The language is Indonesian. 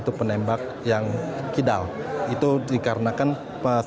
terdapat tiga warna pindad